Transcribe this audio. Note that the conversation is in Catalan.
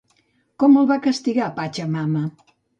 Com el va castigar Pacha Mama?